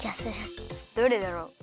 どれだろう。